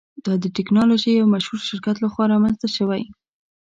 دا د ټیکنالوژۍ یو مشهور شرکت لخوا رامینځته شوی.